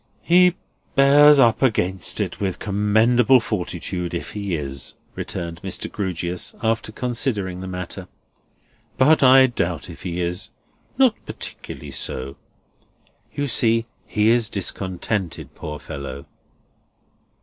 "He bears up against it with commendable fortitude if he is," returned Mr. Grewgious, after considering the matter. "But I doubt if he is. Not particularly so. You see, he is discontented, poor fellow."